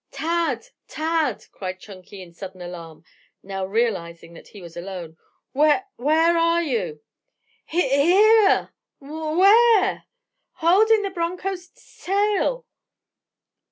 "Tad! Tad!" cried Chunky in sudden alarm, now realizing that he was alone. "Whe where are you?" "H h h h e r e!" "W w where?" "H h h holding to the b r r oncho's t tail."